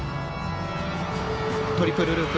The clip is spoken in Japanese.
トリプルループ。